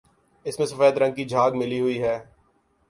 اس میں سفید رنگ کی جھاگ ملی ہوئی ہے